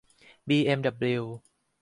บีเอ็มดับบลิว